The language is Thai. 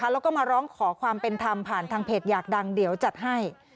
แล้วก็มาร้องขอความเป็นธรรมผ่านทางเพจอยากดังเดี๋ยวจัดให้